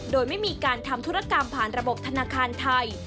โดยไม่มีการทำธุรกรรมผ่านระบบธนาคารไทย